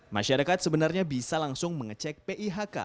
masyarakat sebenarnya bisa langsung mengecek pihk